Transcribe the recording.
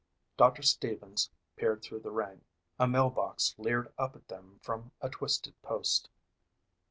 Doctor Stevens peered through the rain. A mail box leered up at them from a twisted post.